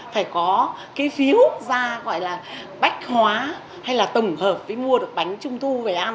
phải có cái phiếu ra gọi là bách hóa hay là tổng hợp với mua được bánh trung thu